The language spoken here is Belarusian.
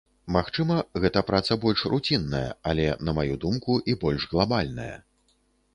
Магчыма, гэта праца больш руцінная, але, на маю думку, і больш глабальная.